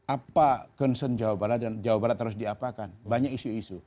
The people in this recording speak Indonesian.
apa concern jawa barat dan jawa barat harus diapakan banyak isu isu